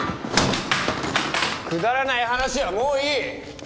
くだらない話はもういい！